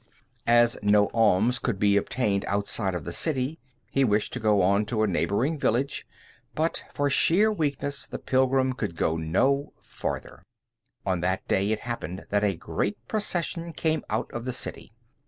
As no alms could be obtained outside of the city, he wished to go on to a neighboring village, but for sheer weakness, the pilgrim could go no farther. On that day it happened that a great procession came out of the city.